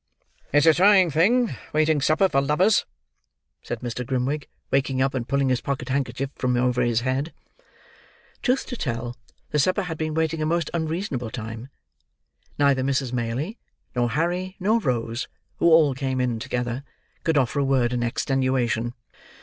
"It's a trying thing waiting supper for lovers," said Mr. Grimwig, waking up, and pulling his pocket handkerchief from over his head. Truth to tell, the supper had been waiting a most unreasonable time. Neither Mrs. Maylie, nor Harry, nor Rose (who all came in together), could offer a word in extenuation.